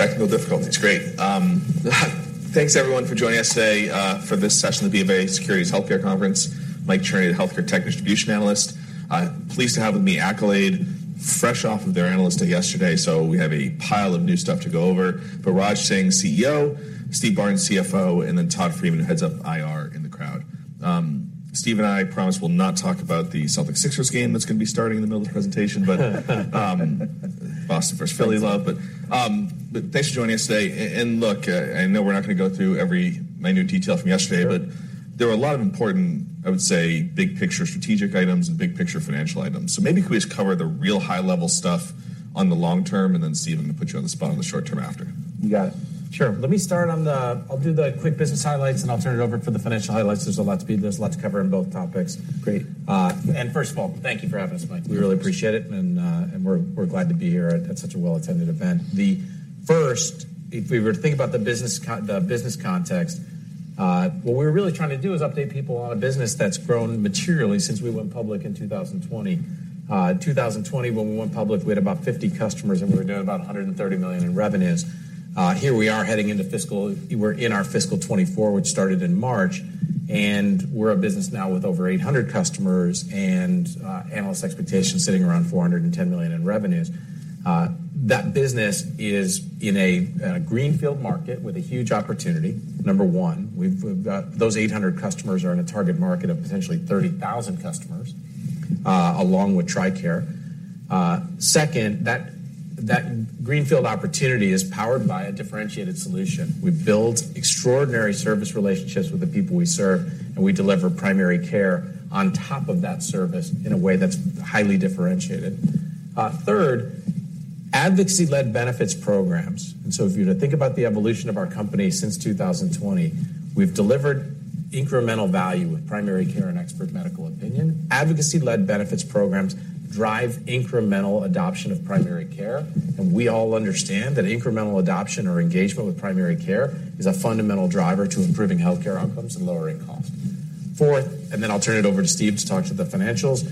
Technical difficulties. Great. Thanks everyone for joining us today, for this session of the BofA Securities Healthcare Conference. Michael Cherny, the Healthcare tech Distribution Analyst. Pleased to have with me Accolade fresh off of their analyst day yesterday, so we have a pile of new stuff to go over. Rajeev Singh, CEO, Steve Barnes, CFO, and then Todd Friedman, who heads up IR in the crowd. Steve and I promise we'll not talk about the Celtics-Sixers game that's gonna be starting in the middle of the presentation. Boston versus Philly love. Thanks for joining us today. Look, I know we're not gonna go through every minute detail from yesterday. Sure. There were a lot of important, I would say, big picture strategic items and big picture financial items. Maybe could we just cover the real high level stuff on the long term. Then Steve, I'm gonna put you on the spot on the short term after. You got it. Sure. Let me start. I'll do the quick business highlights, and I'll turn it over for the financial highlights. There's a lot to cover in both topics. Great. First of all, thank you for having us, Mike. We really appreciate it, and we're glad to be here at such a well-attended event. If we were to think about the business context, what we're really trying to do is update people on a business that's grown materially since we went public in 2020. In 2020 when we went public, we had about 50 customers, and we were doing about $130 million in revenues. We're in our fiscal 2024, which started in March, and we're a business now with over 800 customers and analyst expectations sitting around $410 million in revenues. That business is in a greenfield market with a huge opportunity. Number one, we've got those 800 customers are in a target market of potentially 30,000 customers, along with TRICARE. Second, that greenfield opportunity is powered by a differentiated solution. We build extraordinary service relationships with the people we serve, and we deliver primary care on top of that service in a way that's highly differentiated. Third, advocacy-led benefits programs. If you were to think about the evolution of our company since 2020, we've delivered incremental value with primary care and expert medical opinion. Advocacy-led benefits programs drive incremental adoption of primary care, and we all understand that incremental adoption or engagement with primary care is a fundamental driver to improving healthcare outcomes and lowering costs. Fourth, I'll turn it over to Steve to talk to the financials.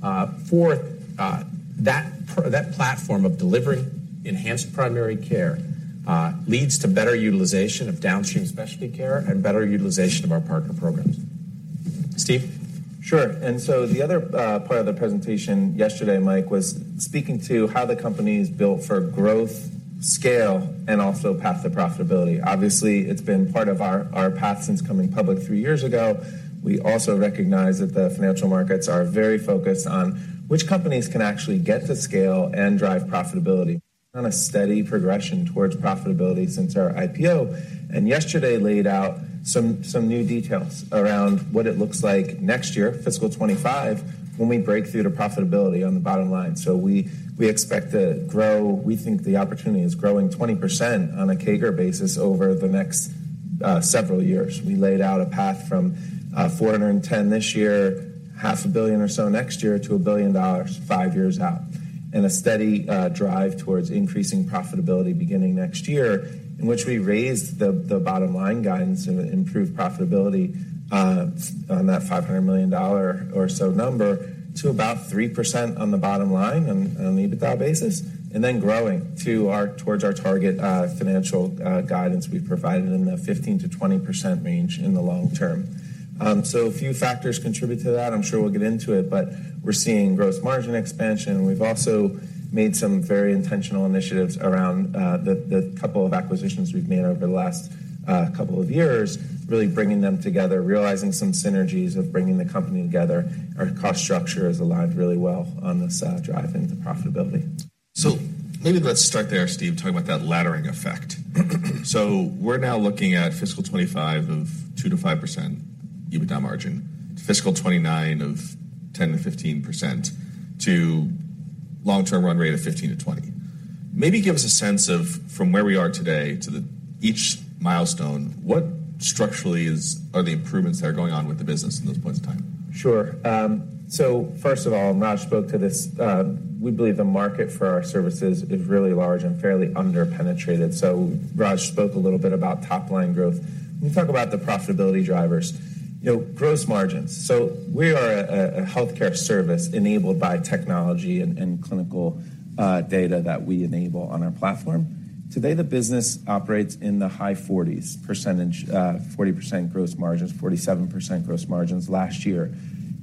4th, that platform of delivering enhanced primary care, leads to better utilization of downstream specialty care and better utilization of our partner programs. Steve. Sure. The other part of the presentation yesterday, Mike Cherny, was speaking to how the company is built for growth, scale, and also path to profitability. Obviously, it's been part of our path since coming public three years ago. We also recognize that the financial markets are very focused on which companies can actually get to scale and drive profitability. On a steady progression towards profitability since our IPO, yesterday laid out some new details around what it looks like next year, fiscal 2025, when we break through to profitability on the bottom line. We expect to grow. We think the opportunity is growing 20% on a CAGR basis over the next several years. We laid out a path from $410 million this year, $500, 000 or so next year to $1 billion five years out. In a steady drive towards increasing profitability beginning next year, in which we raised the bottom line guidance and improved profitability on that $500 million or so number to about 3% on the bottom line on EBITDA basis, towards our target financial guidance we've provided in the 15%-20% range in the long term. A few factors contribute to that. I'm sure we'll get into it, we're seeing gross margin expansion. We've also made some very intentional initiatives around the couple of acquisitions we've made over the last couple of years, really bringing them together, realizing some synergies of bringing the company together. Our cost structure has aligned really well on this drive into profitability. Maybe let's start there, Steve, talking about that laddering effect. We're now looking at fiscal 2025 of 2%-5% EBITDA margin, fiscal 2029 of 10%-15% to long-term run rate of 15%-20%. Maybe give us a sense of from where we are today to the each milestone, what structurally are the improvements that are going on with the business in those points in time? Sure. 1st of all, Raj spoke to this. We believe the market for our services is really large and fairly under-penetrated. Raj spoke a little bit about top-line growth. Let me talk about the profitability drivers. You know, gross margins. We are a healthcare service enabled by technology and clinical data that we enable on our platform. Today, the business operates in the high 40s percentage, 40% gross margins, 47% gross margins last year.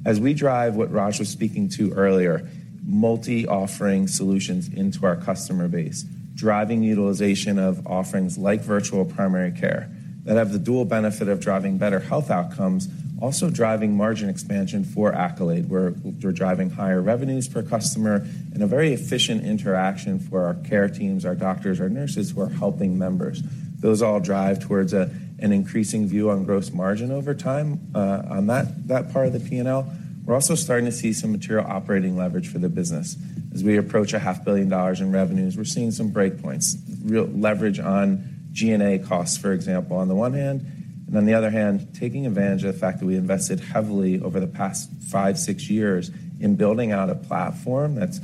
As we drive what Raj was speaking to earlier, multi-offering solutions into our customer base, driving utilization of offerings like virtual primary care that have the dual benefit of driving better health outcomes, also driving margin expansion for Accolade. We're driving higher revenues per customer in a very efficient interaction for our care teams, our doctors, our nurses who are helping members. Those all drive towards an increasing view on gross margin over time, on that part of the P&L. We're also starting to see some material operating leverage for the business. As we approach a half billion dollars in revenues, we're seeing some break points, real leverage on G&A costs, for example, on the one hand, and on the other hand, taking advantage of the fact that we invested heavily over the past five, six years in building out a platform that's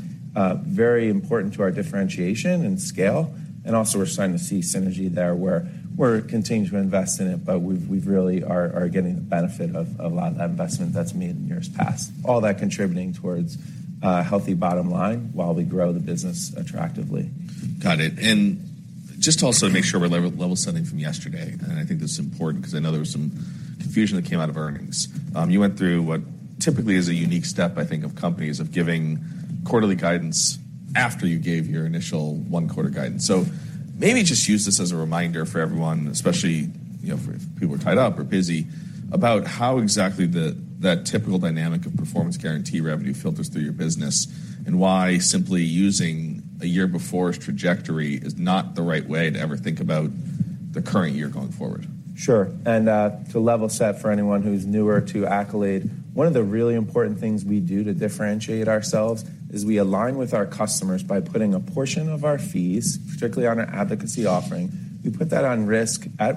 very important to our differentiation and scale. Also we're starting to see synergy there where we're continuing to invest in it, but we really are getting the benefit of a lot of that investment that's made in years past. All that contributing towards a healthy bottom line while we grow the business attractively. Got it. Just to also make sure we're level-setting from yesterday. I think this is important because I know there was some confusion that came out of earnings. You went through what typically is a unique step, I think, of companies of giving quarterly guidance after you gave your initial 1-quarter guidance. Maybe just use this as a reminder for everyone, especially, you know, for if people are tied up or busy, about how exactly that typical dynamic of performance guarantee revenue filters through your business and why simply using a year before's trajectory is not the right way to ever think about the current year going forward. Sure. To level set for anyone who's newer to Accolade, one of the really important things we do to differentiate ourselves is we align with our customers by putting a portion of our fees, particularly on our advocacy offering, we put that at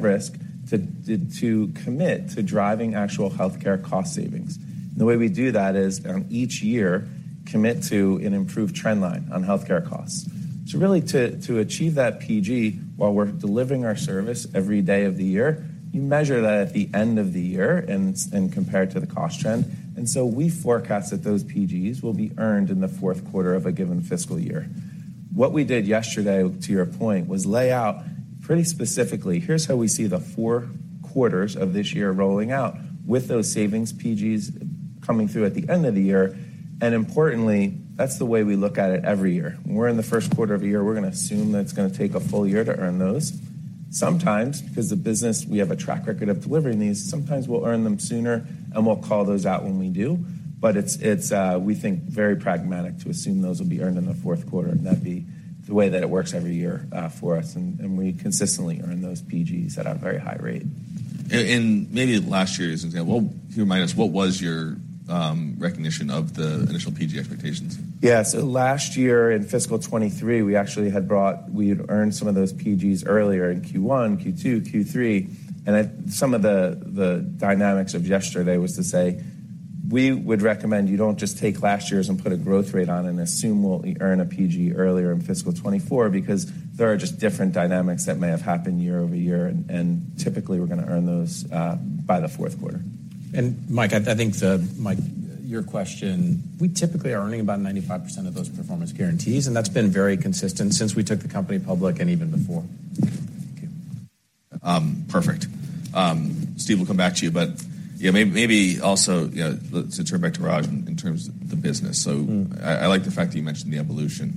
risk to commit to driving actual healthcare cost savings. The way we do that is each year commit to an improved trend line on healthcare costs. Really to achieve that PG while we're delivering our service every day of the year, you measure that at the end of the year and compare it to the cost trend. We forecast that those PGs will be earned in the 4th quarter of a given fiscal year. What we did yesterday, to your point, was lay out pretty specifically, here's how we see the four quarters of this year rolling out with those savings PGs coming through at the end of the year. Importantly, that's the way we look at it every year. When we're in the 1st quarter of a year, we're gonna assume that it's gonna take a full year to earn those. Sometimes, because the business, we have a track record of delivering these, sometimes we'll earn them sooner, and we'll call those out when we do. But it's we think very pragmatic to assume those will be earned in the 4th quarter, and that'd be the way that it works every year for us. We consistently earn those PGs at a very high rate. In maybe last year's example, remind us, what was your recognition of the initial PG expectations? Yeah. Last year in fiscal 2023, we actually had earned some of those PGs earlier in Q1, Q2, Q3. At some of the dynamics of yesterday was to say, "We would recommend you don't just take last year's and put a growth rate on and assume we'll earn a PG earlier in fiscal 2024, because there are just different dynamics that may have happened year-over-year, and typically we're gonna earn those by the 4th quarter. Mike, I think Mike, your question, we typically are earning about 95% of those performance guarantees, and that's been very consistent since we took the company public and even before. Thank you. Perfect. Steve, we'll come back to you. Yeah, maybe also, you know, let's turn back to Raj in terms of the business. Mm-hmm. I like the fact that you mentioned the evolution.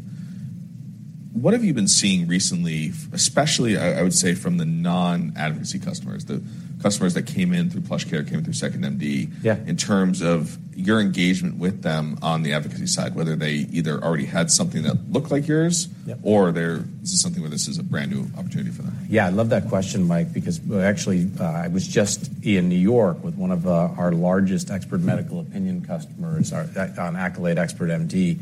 What have you been seeing recently, especially I would say from the non-advocacy customers, the customers that came in through PlushCare, came through 2nd.MD? Yeah. in terms of your engagement with them on the advocacy side, whether they either already had something that looked like yours- Yeah. Is this something where this is a brand-new opportunity for them? Yeah, I love that question, Mike, because actually, I was just in New York with one of our largest expert medical opinion customers, on Accolade Expert MD,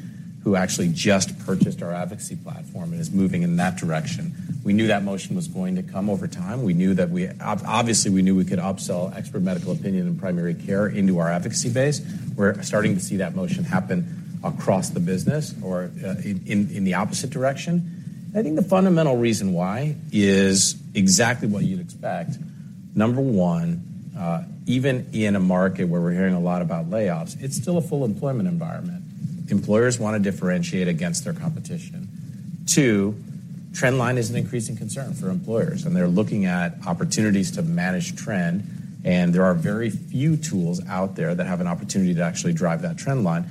who actually just purchased our advocacy platform and is moving in that direction. We knew that motion was going to come over time. We knew that we obviously we knew we could upsell expert medical opinion and primary care into our advocacy base. We're starting to see that motion happen across the business or, in the opposite direction. I think the fundamental reason why is exactly what you'd expect. Number one, even in a market where we're hearing a lot about layoffs, it's still a full employment environment. Employers wanna differentiate against their competition. Two, trend line is an increasing concern for employers, and they're looking at opportunities to manage trend, and there are very few tools out there that have an opportunity to actually drive that trend line.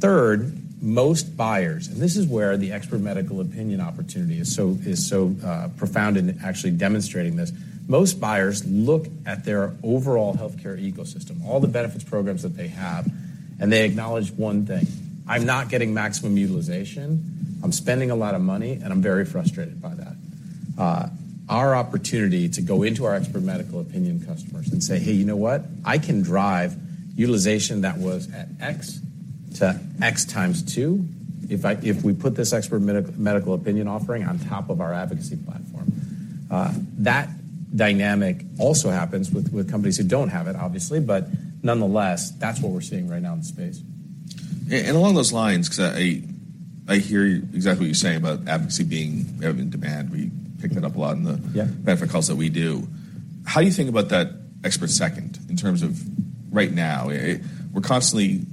Third, most buyers, and this is where the expert medical opinion opportunity is so profound in actually demonstrating this. Most buyers look at their overall healthcare ecosystem, all the benefits programs that they have, and they acknowledge one thing: I'm not getting maximum utilization, I'm spending a lot of money, and I'm very frustrated by that. Our opportunity to go into our expert medical opinion customers and say, "Hey, you know what? I can drive utilization that was at X-X x 2 if we put this expert medical opinion offering on top of our advocacy platform." That dynamic also happens with companies who don't have it, obviously, but nonetheless, that's what we're seeing right now in the space. along those lines, 'cause I hear exactly what you're saying about advocacy being in demand. We pick that up a lot. Yeah. -benefit calls that we do. How do you think about that expert 2nd in terms of right now? We're constantly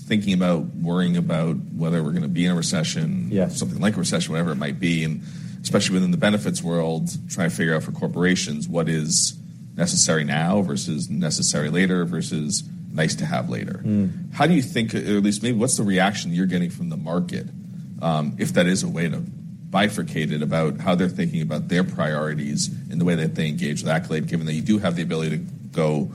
thinking about worrying about whether we're gonna be in a recession. Yeah. something like a recession, whatever it might be, and especially within the benefits world, trying to figure out for corporations what is necessary now versus necessary later versus nice to have later. Mm. How do you think, or at least maybe what's the reaction you're getting from the market, if that is a way to bifurcate it about how they're thinking about their priorities and the way that they engage with Accolade, given that you do have the ability to go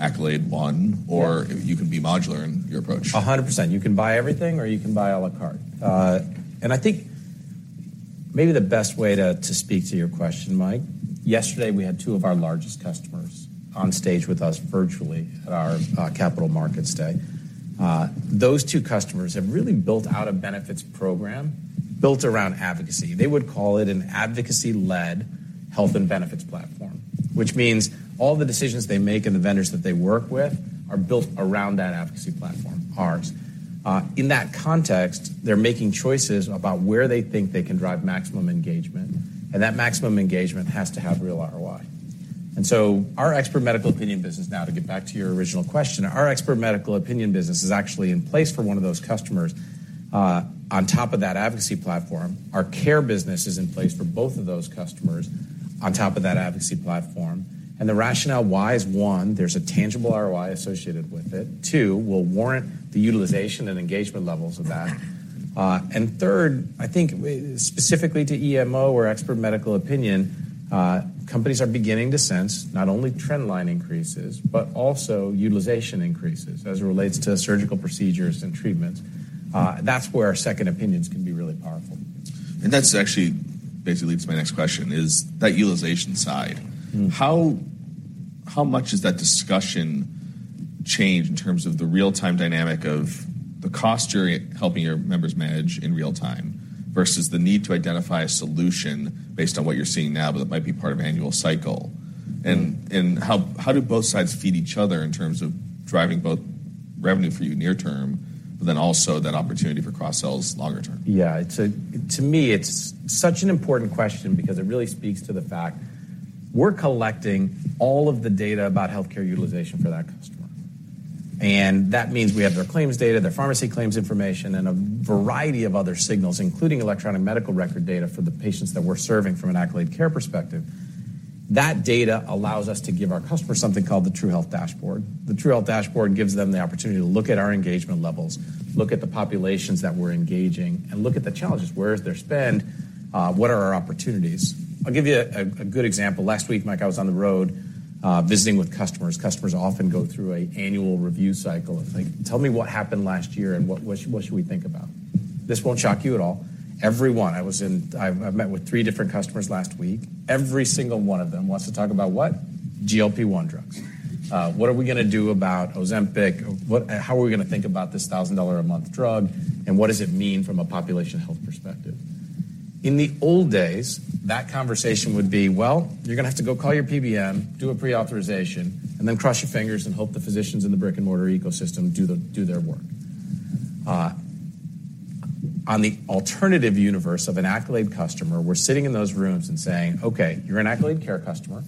Accolade One- Yeah. You can be modular in your approach. 100%. You can buy everything or you can buy à la carte. I think maybe the best way to speak to your question, Mike, yesterday we had two of our largest customers on stage with us virtually at our Capital Markets Day. Those two customers have really built out a benefits program built around advocacy. They would call it an advocacy-led health and benefits platform, which means all the decisions they make and the vendors that they work with are built around that advocacy platform, ours. In that context, they're making choices about where they think they can drive maximum engagement, and that maximum engagement has to have real ROI. Our expert medical opinion business now, to get back to your original question, our expert medical opinion business is actually in place for one of those customers on top of that advocacy platform. Our care business is in place for both of those customers on top of that advocacy platform. The rationale why is, one, there's a tangible ROI associated with it. Two, we'll warrant the utilization and engagement levels of that. Third, I think specifically to EMO or expert medical opinion, companies are beginning to sense not only trend line increases, but also utilization increases as it relates to surgical procedures and treatments. That's where 2nd opinions can be really powerful. Basically leads to my next question, is that utilization side. Mm-hmm. How much does that discussion change in terms of the real-time dynamic of the cost you're helping your members manage in real time versus the need to identify a solution based on what you're seeing now, but that might be part of annual cycle? Mm-hmm. And how do both sides feed each other in terms of driving both revenue for you near term, but then also that opportunity for cross-sells longer term? To me, it's such an important question because it really speaks to the fact we're collecting all of the data about healthcare utilization for that customer. That means we have their claims data, their pharmacy claims information, and a variety of other signals, including electronic medical record data for the patients that we're serving from an Accolade Care perspective. That data allows us to give our customers something called the True Health Dashboard. The True Health Dashboard gives them the opportunity to look at our engagement levels, look at the populations that we're engaging, and look at the challenges. Where is their spend? What are our opportunities? I'll give you a good example. Last week, Mike, I was on the road, visiting with customers. Customers often go through a annual review cycle of like, "Tell me what happened last year, and what should we think about?" This won't shock you at all. Everyone I've met with 3 different customers last week. Every single one of them wants to talk about what? GLP-1 drugs. What are we gonna do about Ozempic? How are we gonna think about this $1,000 a month drug, and what does it mean from a population health perspective? In the old days, that conversation would be, "Well, you're gonna have to go call your PBM, do a pre-authorization, and then cross your fingers and hope the physicians in the brick-and-mortar ecosystem do their work." On the alternative universe of an Accolade customer, we're sitting in those rooms and saying, "Okay, you're an Accolade Care customer.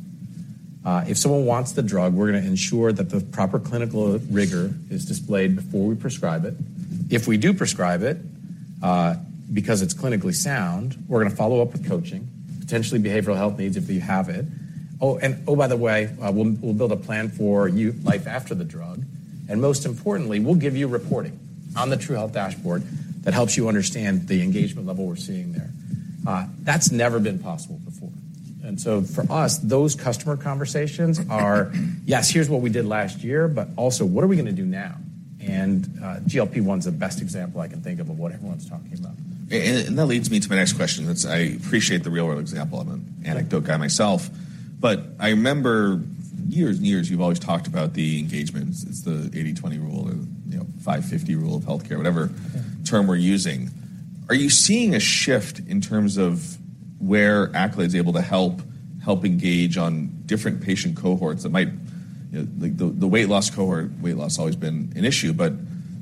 If someone wants the drug, we're gonna ensure that the proper clinical rigor is displayed before we prescribe it. If we do prescribe it, because it's clinically sound, we're gonna follow up with coaching, potentially behavioral health needs if you have it. We'll build a plan for you life after the drug. Most importantly, we'll give you reporting on the True Health Dashboard that helps you understand the engagement level we're seeing there. That's never been possible before. For us, those customer conversations are, "Yes, here's what we did last year," but also, "What are we gonna do now?" GLP-1's the best example I can think of of what everyone's talking about. That leads me to my next question. I appreciate the real-world example. I'm an anecdote guy myself, but I remember years and years, you've always talked about the engagements. It's the 80/20 rule or, you know, 50/50 rule of healthcare, whatever term we're using. Are you seeing a shift in terms of where Accolade's able to help engage on different patient cohorts that might... You know, like the weight loss cohort, weight loss has always been an issue, but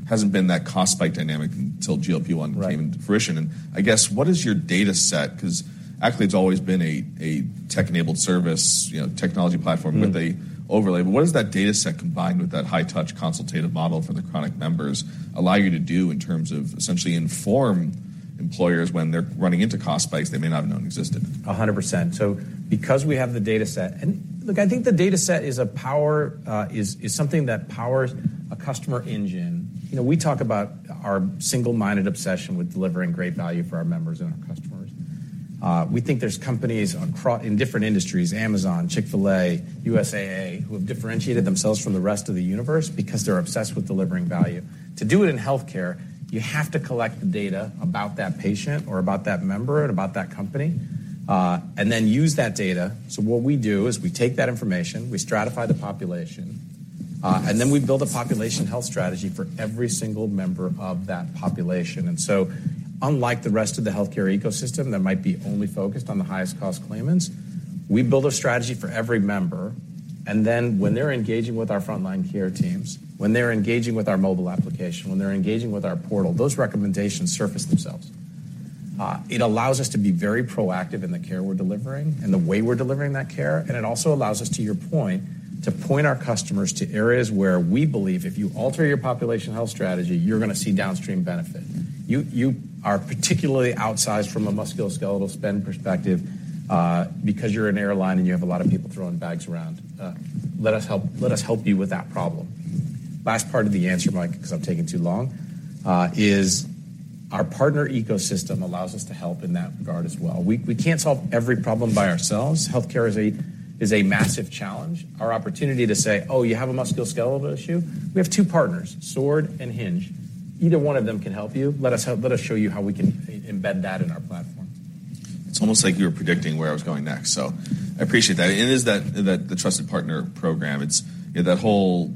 hasn't been that cost spike dynamic until GLP-1... Right. came into fruition. I guess, what is your data set? 'Cause Accolade's always been a tech-enabled service, you know, technology platform with a overlay. What does that data set combined with that high touch consultative model for the chronic members allow you to do in terms of essentially inform employers when they're running into cost spikes they may not have known existed? 100%. Because we have the data set. Look, I think the data set is a power, is something that powers a customer engine. You know, we talk about our single-minded obsession with delivering great value for our members and our customers. We think there's companies in different industries, Amazon, Chick-fil-A, USAA, who have differentiated themselves from the rest of the universe because they're obsessed with delivering value. To do it in healthcare, you have to collect the data about that patient or about that member or about that company, and then use that data. What we do is we take that information, we stratify the population, and then we build a population health strategy for every single member of that population. Unlike the rest of the healthcare ecosystem that might be only focused on the highest cost claimants, we build a strategy for every member, and then when they're engaging with our frontline care teams, when they're engaging with our mobile application, when they're engaging with our portal, those recommendations surface themselves. It allows us to be very proactive in the care we're delivering and the way we're delivering that care, and it also allows us, to your point, to point our customers to areas where we believe if you alter your population health strategy, you're gonna see downstream benefit. You are particularly outsized from a musculoskeletal spend perspective, because you're an airline, and you have a lot of people throwing bags around. Let us help you with that problem. Last part of the answer, Mike, 'cause I'm taking too long, is our partner ecosystem allows us to help in that regard as well. We can't solve every problem by ourselves. Healthcare is a massive challenge. Our opportunity to say, "Oh, you have a musculoskeletal issue? We have two partners, Sword and Hinge. Either one of them can help you. Let us show you how we can embed that in our platform. It's almost like you were predicting where I was going next, so I appreciate that. It is that, the Trusted Partner Ecosystem. It's, you know, that whole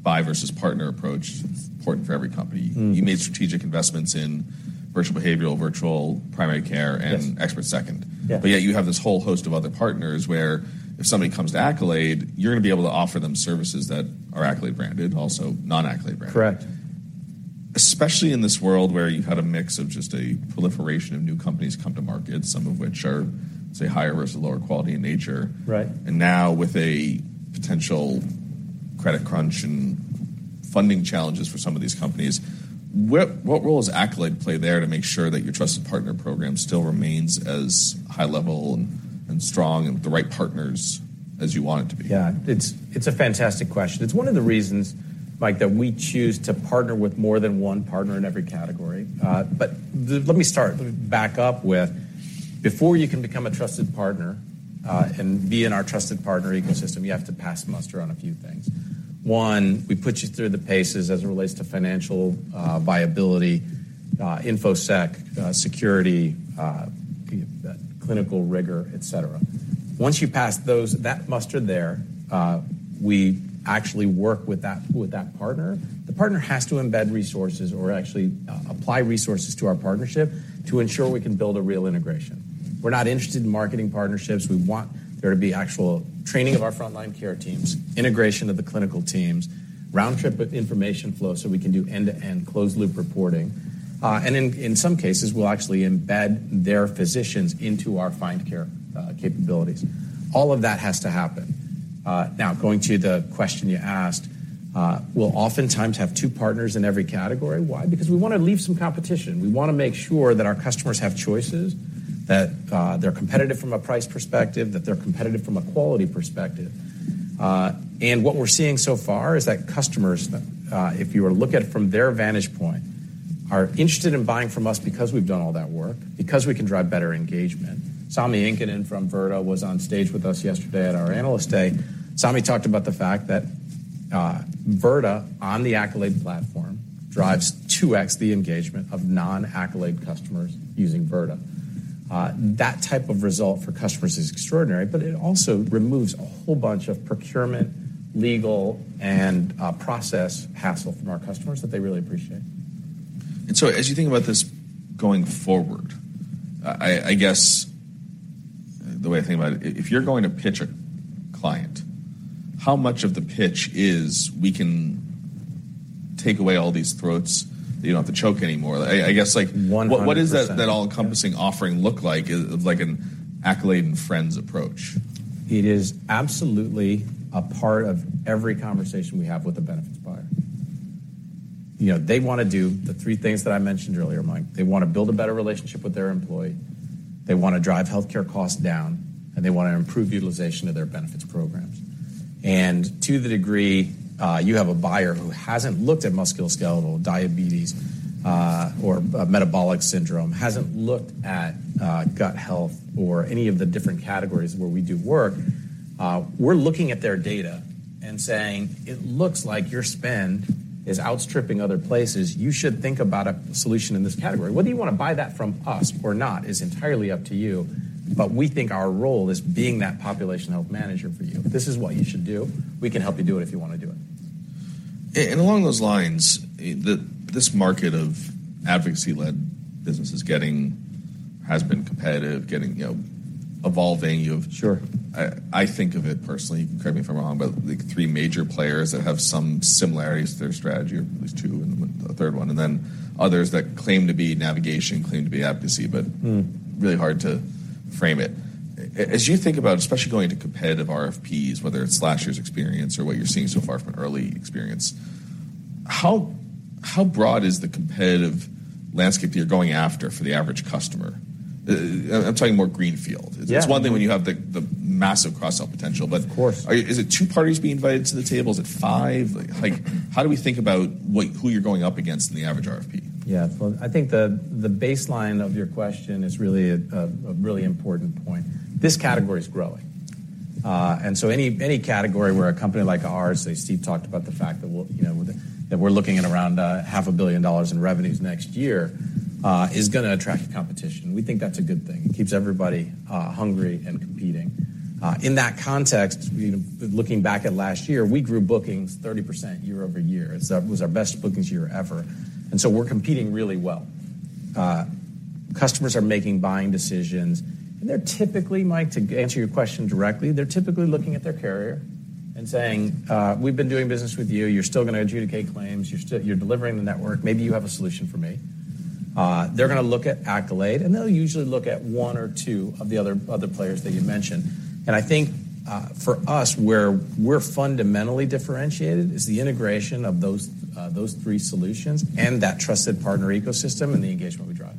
buy versus partner approach. It's important for every company. Mm-hmm. You made strategic investments in virtual behavioral, virtual primary care. Yes. expert 2nd. Yeah. Yet you have this whole host of other partners where if somebody comes to Accolade, you're gonna be able to offer them services that are Accolade branded, also non-Accolade branded. Correct. Especially in this world where you've had a mix of just a proliferation of new companies come to market, some of which are, say, higher risk or lower quality in nature. Right. Now with a potential credit crunch and funding challenges for some of these companies, what role does Accolade play there to make sure that your Trusted Partner Ecosystem still remains as high level and strong and with the right partners as you want it to be? Yeah. It's a fantastic question. It's one of the reasons, Mike, that we choose to partner with more than one partner in every category. Let me start. Let me back up with before you can become a trusted partner and be in our Trusted Partner Ecosystem, you have to pass muster on a few things. One, we put you through the paces as it relates to financial viability, infosec, security, the clinical rigor, et cetera. Once you pass that muster there, we actually work with that partner. The partner has to embed resources or actually apply resources to our partnership to ensure we can build a real integration. We're not interested in marketing partnerships. We want there to be actual training of our frontline care teams, integration of the clinical teams, round trip with information flow so we can do end-to-end closed loop reporting. In some cases, we'll actually embed their physicians into our Find Care capabilities. All of that has to happen. Now going to the question you asked, we'll oftentimes have two partners in every category. Why? Because we wanna leave some competition. We wanna make sure that our customers have choices, that, they're competitive from a price perspective, that they're competitive from a quality perspective. What we're seeing so far is that customers, if you were to look at it from their vantage point, are interested in buying from us because we've done all that work, because we can drive better engagement. Sami Inkinen from Virta was on stage with us yesterday at our Analyst Day. Sami talked about the fact that Virta on the Accolade platform drives 2x the engagement of non-Accolade customers using Virta. That type of result for customers is extraordinary, but it also removes a whole bunch of procurement, legal, and process hassle from our customers that they really appreciate. As you think about this going forward, I guess the way I think about it, if you're going to pitch a client, how much of the pitch is we can take away all these throats that you don't have to choke anymore? I guess. 100%. What is that all-encompassing offering look like? Is it like an Accolade and friends approach? It is absolutely a part of every conversation we have with a benefits buyer. You know, they wanna do the three things that I mentioned earlier, Mike. They wanna build a better relationship with their employee, they wanna drive healthcare costs down, and they wanna improve utilization of their benefits programs. To the degree, you have a buyer who hasn't looked at musculoskeletal, diabetes, or metabolic syndrome, hasn't looked at gut health or any of the different categories where we do work, we're looking at their data and saying, "It looks like your spend is outstripping other places. You should think about a solution in this category. Whether you wanna buy that from us or not is entirely up to you, but we think our role is being that population health manager for you. This is what you should do. We can help you do it if you wanna do it. Along those lines, this market of advocacy-led business has been competitive, you know, evolving. Sure. I think of it personally, you can correct me if I'm wrong, like three major players that have some similarities to their strategy. At least 2nd and a 3rd one. Others that claim to be navigation, claim to be advocacy. Mm. really hard to frame it. As you think about, especially going to competitive RFPs, whether it's last year's experience or what you're seeing so far from an early experience, how broad is the competitive landscape that you're going after for the average customer? I'm talking more greenfield. Yeah. It's one thing when you have the massive cross-sell potential. Of course. Is it two parties being invited to the table? Is it five? Like, how do we think about who you're going up against in the average RFP? Well, I think the baseline of your question is really a really important point. This category is growing. Any category where a company like ours, as Steve talked about the fact that we're, you know, that we're looking at around half a billion dollars in revenues next year, is gonna attract competition. We think that's a good thing. It keeps everybody hungry and competing. In that context, you know, looking back at last year, we grew bookings 30% year-over-year. It was our best bookings year ever. We're competing really well. Customers are making buying decisions, and they're typically, Mike, to answer your question directly, they're typically looking at their carrier and saying, "We've been doing business with you. You're still gonna adjudicate claims. You're still delivering the network. Maybe you have a solution for me." They're gonna look at Accolade, they'll usually look at one or two of the other players that you mentioned. I think for us, where we're fundamentally differentiated is the integration of those three solutions and that Trusted Partner Ecosystem and the engagement we drive.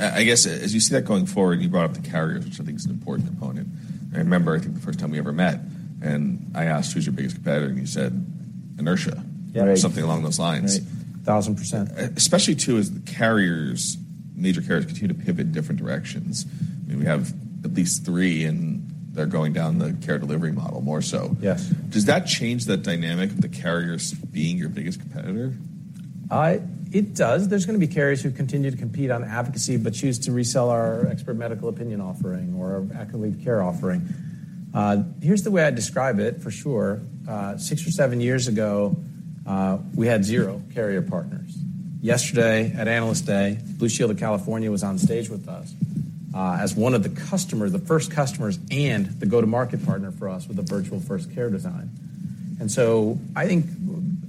I guess as you see that going forward, you brought up the carriers, which I think is an important component. I remember, I think the 1st time we ever met, and I asked, "Who's your biggest competitor?" You said, "Inertia. Right. Something along those lines. Right. 1,000%. Especially too, as the carriers, major carriers continue to pivot in different directions. I mean, we have at least three, and they're going down the care delivery model more so. Yes. Does that change that dynamic of the carriers being your biggest competitor? It does. There's gonna be carriers who continue to compete on advocacy, but choose to resell our expert medical opinion offering or Accolade Care offering. Here's the way I describe it for sure. Six or seven years ago, we had zero carrier partners. Yesterday at Analyst Day, Blue Shield of California was on stage with us. As one of the customers, the 1st customers and the go-to-market partner for us with the virtual 1st care design. I think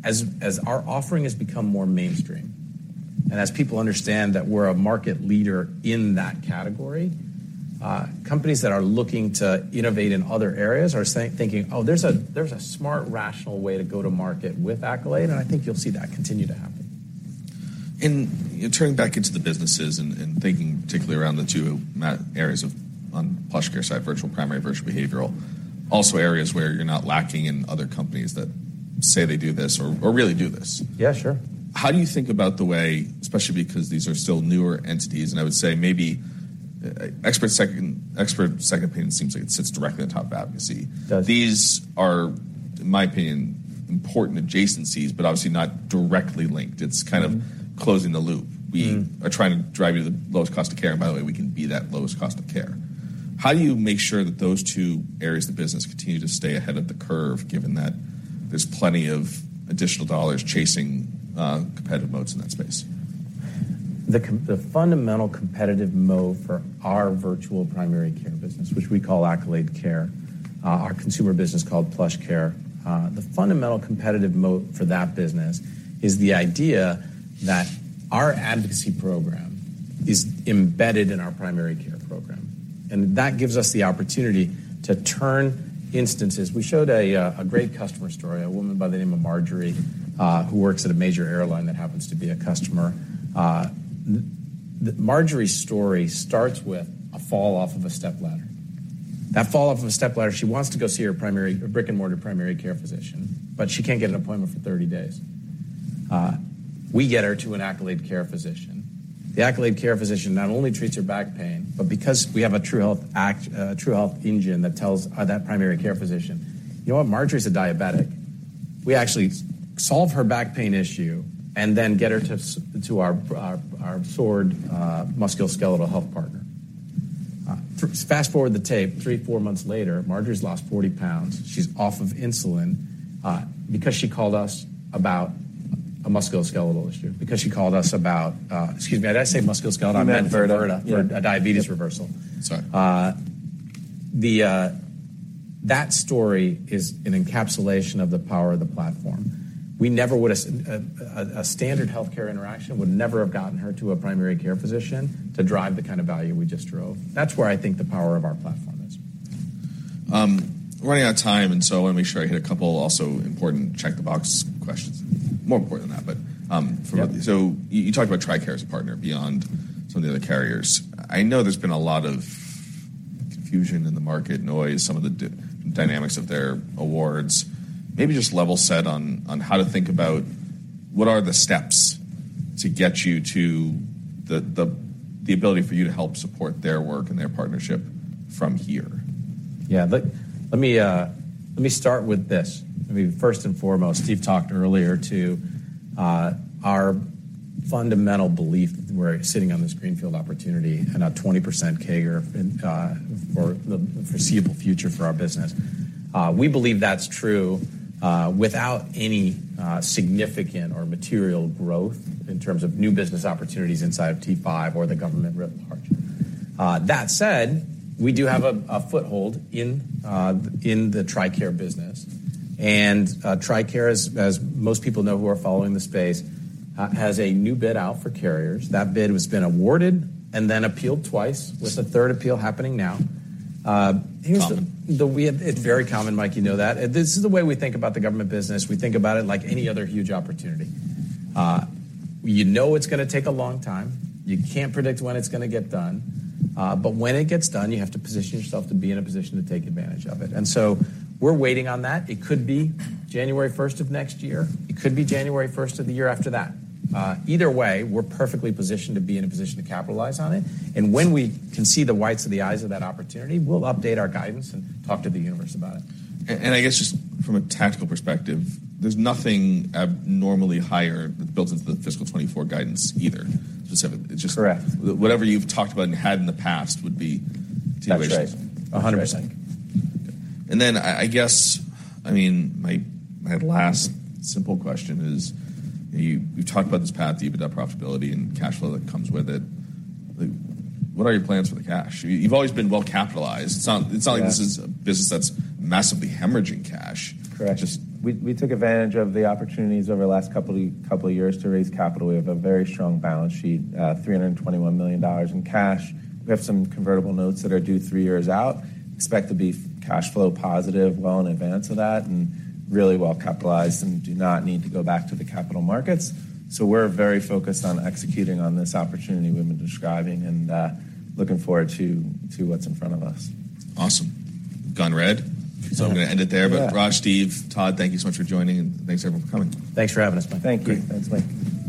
as our offering has become more mainstream and as people understand that we're a market leader in that category, companies that are looking to innovate in other areas are thinking, oh, there's a, there's a smart, rational way to go to market with Accolade, and I think you'll see that continue to happen. In turning back into the businesses and thinking particularly around the two areas of on PlushCare side, virtual primary, virtual behavioral, also areas where you're not lacking in other companies that say they do this or really do this. Yeah, sure. How do you think about the way, especially because these are still newer entities, I would say maybe, expert 2nd opinion seems like it sits directly on top of advocacy. Does. These are, in my opinion, important adjacencies, but obviously not directly linked. It's kind of. Mm-hmm. closing the loop. Mm-hmm. We are trying to drive you to the lowest cost of care. By the way, we can be that lowest cost of care. How do you make sure that those two areas of the business continue to stay ahead of the curve, given that there's plenty of additional dollars chasing, competitive modes in that space? The fundamental competitive mode for our virtual primary care business, which we call Accolade Care, our consumer business called PlushCare, the fundamental competitive mode for that business is the idea that our advocacy program is embedded in our primary care program. That gives us the opportunity to turn instances. We showed a great customer story, a woman by the name of Marjorie, who works at a major airline that happens to be a customer. The Marjorie story starts with a fall off of a stepladder. That fall off of a stepladder, she wants to go see her brick-and-mortar primary care physician, but she can't get an appointment for 30 days. We get her to an Accolade Care physician. The Accolade Care physician not only treats her back pain, but because we have a True Health Engine that tells that primary care physician, "You know what? Marjorie's a diabetic." We actually solve her back pain issue and then get her to our Sword musculoskeletal health partner. Fast-forward the tape 3, 4 months later, Marjorie's lost 40 pounds. She's off of insulin, because she called us about a musculoskeletal issue, because she called us about... Excuse me, did I say musculoskeletal? You meant Virta. Virta. Yeah. For a diabetes reversal. Sorry. That story is an encapsulation of the power of the platform. A standard healthcare interaction would never have gotten her to a primary care physician to drive the kind of value we just drove. That's where I think the power of our platform is. We're running out of time, I wanna make sure I hit a couple also important check-the-box questions. More important than that. Yeah. You talked about TRICARE as a partner beyond some of the other carriers. I know there's been a lot of confusion in the market, noise, some of the dynamics of their awards. Maybe just level set on how to think about what are the steps to get you to the ability for you to help support their work and their partnership from here? Yeah. Let me start with this. I mean, 1st and foremost, Steve talked earlier to our fundamental belief we're sitting on this greenfield opportunity and a 20% CAGR in for the foreseeable future for our business. We believe that's true without any significant or material growth in terms of new business opportunities inside of T5 or the government rev part. That said, we do have a foothold in the TRICARE business. TRICARE, as most people know who are following the space, has a new bid out for carriers. That bid has been awarded and then appealed twice, with the 3rd appeal happening now. Here's the It's very common, Mike, you know that. This is the way we think about the government business. We think about it like any other huge opportunity. You know it's gonna take a long time. You can't predict when it's gonna get done, but when it gets done, you have to position yourself to be in a position to take advantage of it. We're waiting on that. It could be January 1st of next year. It could be January 1st of the year after that. Either way, we're perfectly positioned to be in a position to capitalize on it. When we can see the whites of the eyes of that opportunity, we'll update our guidance and talk to the universe about it. I guess just from a tactical perspective, there's nothing abnormally higher built into the fiscal 2024 guidance either specifically. It's just. Correct. Whatever you've talked about and had in the past would be situations. That's right. 100%. I guess, I mean, my last simple question is, you talked about this path to EBITDA profitability and cash flow that comes with it. Like, what are your plans for the cash? You've always been well capitalized. It's not like this is. Yes. a business that's massively hemorrhaging cash. Correct. Just- We took advantage of the opportunities over the last couple of years to raise capital. We have a very strong balance sheet, $321 million in cash. We have some convertible notes that are due three years out. Expect to be cash flow positive well in advance of that and really well capitalized and do not need to go back to the capital markets. We're very focused on executing on this opportunity we've been describing and looking forward to what's in front of us. Awesome. Gone red. It's all good. I'm gonna end it there. Yeah. Raj, Steve, Todd, thank you so much for joining, and thanks everyone for coming. Thanks for having us, Mike. Great. Thanks, Mike.